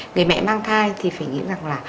người mẹ mang thai thì phải nghĩ rằng là